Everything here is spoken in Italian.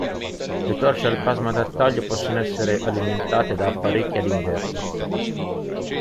Le torce al plasma da taglio possono essere alimentate da apparecchi ad inverter.